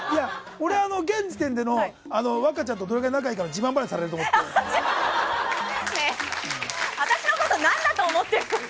俺は現時点での若ちゃんとどれくらい仲いいかの私のこと何だと思ってますか？